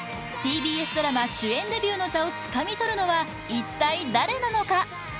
ＴＢＳドラマ主演デビューの座をつかみとるのは一体誰なのか？